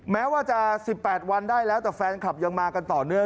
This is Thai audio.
แม้ว่าจะ๑๘วันได้แล้วแต่แฟนคลับยังมากันต่อเนื่อง